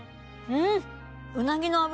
うん！